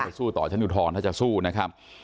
ต้องไปสู้ต่อชั้นอยู่ทรถ้าจะสู้นะครับ